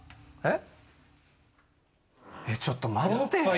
ちょっと待って。